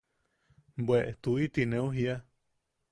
Bwe tuiti neu jia.